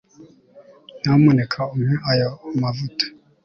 nyamuneka umpe ayo mavuta